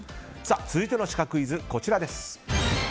続いてのシカクイズはこちら。